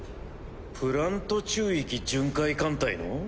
プラント宙域巡回艦隊の？